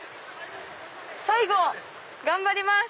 最後頑張ります。